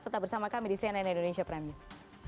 tetap bersama kami di cnn indonesia prime news